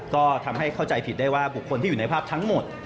ก็ทำให้เข้าใจผิดได้ว่าบุคคลที่อยู่ในภาพทั้งหมด